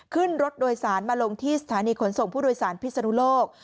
ขึ้นรถโดยสารมาลงที่สถานีขนส่งผู้โดยสารพิศนุโลก